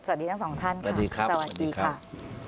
สวัสดีทั้งสองท่านค่ะสวัสดีค่ะ